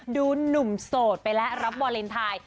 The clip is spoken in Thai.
ดูหนุ่มโสดไปแล้วรับวาเลนไทย